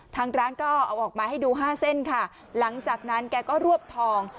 ทางร้านก็เอาออกมาให้ดูห้าเส้นค่ะหลังจากนั้นแกก็รวบทอง